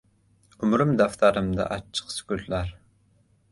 Umrim daftarimda achchiq sukutlar